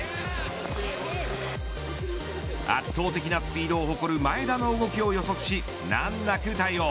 圧倒的なスピードを誇る前田の動きを予測し難なく対応。